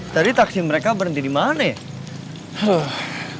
tadi taksi mereka berhenti di mana ya